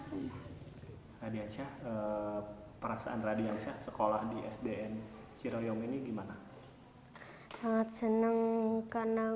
radiansyah perasaan radiansyah sekolah di sdn cirelyong ini gimana sangat seneng karena